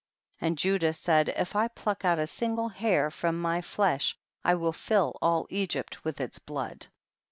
26. And Judah said, if I pluck out a single hair from mv llesh, I will fill all Egypt with its blood.